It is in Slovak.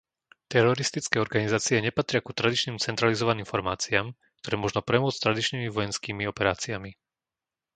Teroristické organizácie nepatria ku tradičným centralizovaným formáciám, ktoré možno premôcť tradičnými vojenskými operáciami.